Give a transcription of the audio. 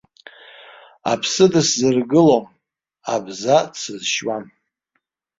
Аԥсы дысзыргылом, абза дсызшьуам.